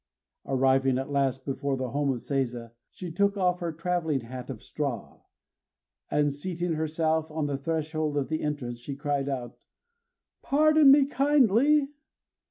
_ Arriving at last before the home of Seiza, she took off her travelling hat of straw; and seating herself on the threshold of the entrance, she cried out: "Pardon me kindly!